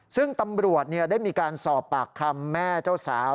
ซึ่งตำรวจได้มีการสอบปากคำแม่เจ้าสาว